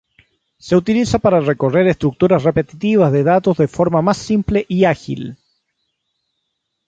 Se utiliza para recorrer estructuras repetitivas de datos de forma más simple y ágil.